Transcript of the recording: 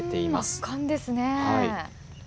圧巻ですね。